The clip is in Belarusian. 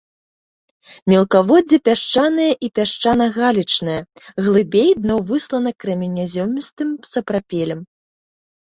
Мелкаводдзе пясчанае і пясчана-галечнае, глыбей дно выслана крэменязёмістым сапрапелем.